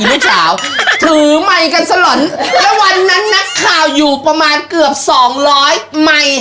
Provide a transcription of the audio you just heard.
และวันนั้นนักข่าวอยู่ประมาณเกือบ๒๐๐คิดว่ามาย